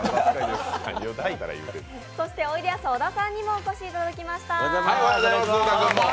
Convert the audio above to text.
そして、おいでやす小田さんにもお越しいただきました。